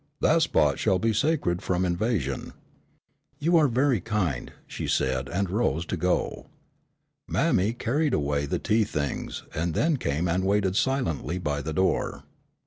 That spot shall be sacred from invasion." "You are very kind," she said and rose to go. Mammy carried away the tea things, and then came and waited silently by the door.